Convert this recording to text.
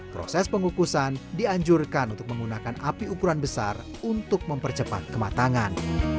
proses pengukusan dianjurkan untuk menggunakan api ukuran besar untuk mempercepat kematangan